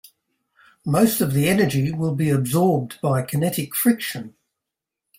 Most of the energy will be absorbed by kinetic friction.